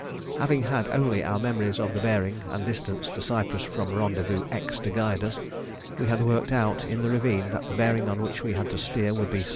Having had only our memories of the bearing and distance to Cyprus from Rendezvous X to guide us, we had worked out in the ravine that the bearing on which we had to steer would be S.